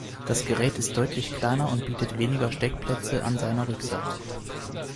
Das Gerät ist deutlich kleiner und bietet weniger Steckplätze an seiner Rückseite.